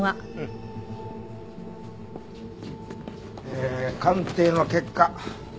え鑑定の結果